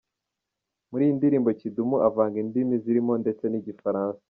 Muri iyi ndirimbo Kidum avanga indimi zirimo ndetse nIgifaransa.